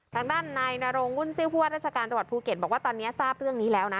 ทางด้านนายนรงวุ่นซื้อผู้ว่าราชการจังหวัดภูเก็ตบอกว่าตอนนี้ทราบเรื่องนี้แล้วนะ